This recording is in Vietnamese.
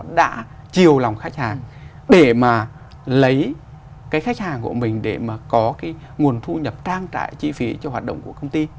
họ đã chiều lòng khách hàng để mà lấy cái khách hàng của mình để mà có cái nguồn thu nhập trang trại chi phí cho hoạt động của công ty